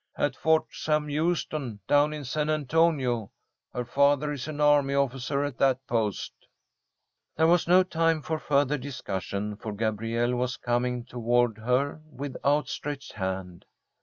"At Fort Sam Houston, down in San Antonio. Her father is an army officer at that post." There was no time for further discussion, for Gabrielle was coming toward her with outstretched hand.